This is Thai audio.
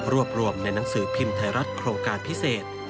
รวบรวมในหนังสือพิมพ์ไทยรัฐโครงการพิเศษ